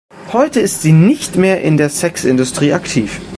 Heute ist sie nicht mehr in der Sexindustrie aktiv.